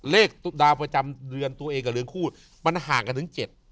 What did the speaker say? ดาวประจำเดือนตัวเองกับเรือนคู่มันห่างกันถึง๗